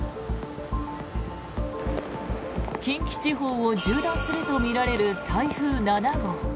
近畿地方を縦断するとみられる台風７号。